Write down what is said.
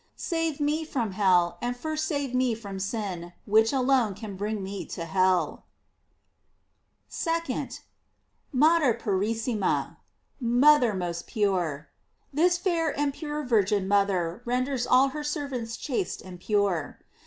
Save me from hell, and first save me from sin, which alone can bring me to hell. 2d. "Mater purissima:" Mother most pure. This fair and pure virgin mother renders all her ser vants chaste and pure.